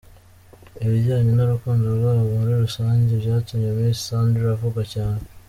Ibijyanye n’urukundo rwabo muri rusange byatumye Miss Sandra avugwa cyane.